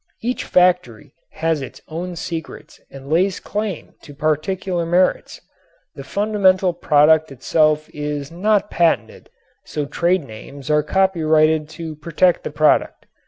Each factory has its own secrets and lays claim to peculiar merits. The fundamental product itself is not patented, so trade names are copyrighted to protect the product.